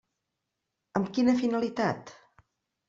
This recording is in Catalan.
Amb quina finalitat?